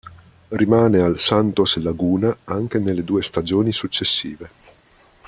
Rimane al Santos Laguna anche nelle due stagioni successive.